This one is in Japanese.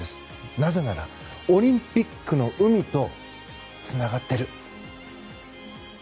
なぜなら、オリンピックの海とつながっている。